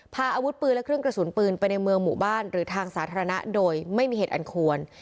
พาอาวุธปืนและเครื่องกระสุนปืนไปในเมืองหมู่บ้านหรือทางสาธารณะโดยไม่มีเหตุอันควร